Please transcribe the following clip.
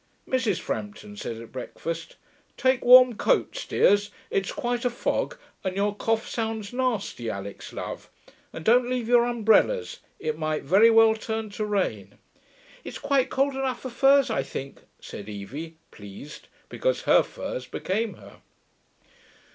Mrs. Frampton said at breakfast, 'Take warm coats, dears; it's quite a fog, and your cough sounds nasty, Alix love. And don't leave your umbrellas; it might very well turn to rain.' 'It's quite cold enough for furs, I think,' said Evie, pleased, because her furs became her.